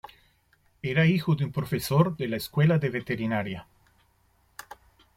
Era hijo de un profesor de la Escuela de Veterinaria.